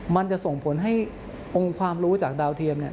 มันจะส่งผลให้องค์ความรู้จากดาวเทียมเนี่ย